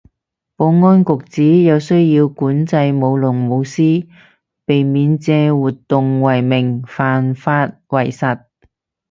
保安局指有需要管制舞龍舞獅，避免借活動為名犯法為實